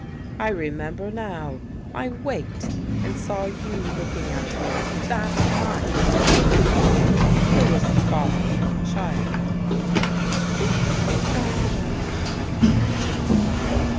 " I remember now I waked and saw you looking at me tfiat night! ,Who was the father of your child? "" Jean Gamache," she replied.